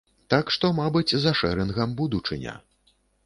Так што, мабыць, за шэрынгам будучыня.